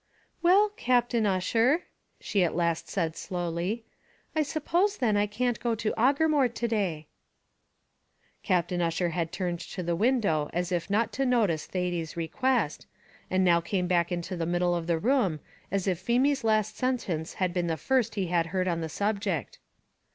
"Well, Captain Ussher," she at last said slowly, "I suppose then I can't go to Aughermore to day." Captain Ussher had turned to the window as if not to notice Thady's request, and now came back into the middle of the room, as if Feemy's last sentence had been the first he had heard on the subject.